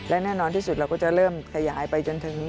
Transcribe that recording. และแน่นอนที่สุดเราก็จะเริ่มขยายไปจนถึง